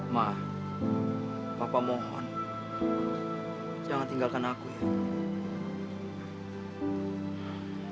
maaf bapak mohon jangan tinggalkan aku ya